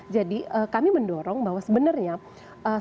jadi kami mendorong bahwa sebenarnya social distancing